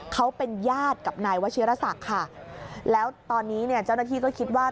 เขาเป็นญาติกับนายวชิรศักดิ์ค่ะแล้วตอนนี้เนี่ยเจ้าหน้าที่ก็คิดว่า